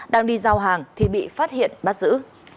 đang đi giao hàng thì bị phát hiện bắt giữ